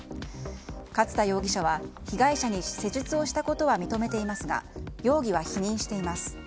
勝田容疑者は被害者に施術をしたことは認めていますが容疑は否認しています。